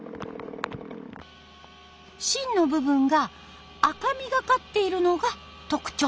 芯の部分が赤みがかっているのが特徴。